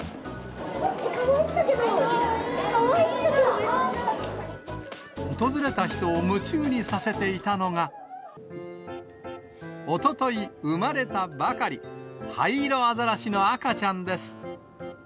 かわいいんだけど、かわいい訪れた人を夢中にさせていたのが、おととい産まれたばかり、ハイイロアザラシの赤ちゃんです。